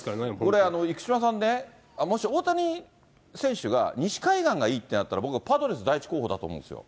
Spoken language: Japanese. これ、生島さんね、もし大谷選手が西海岸がいいってなったら、僕、パドレス第１候補だと思うんですよ。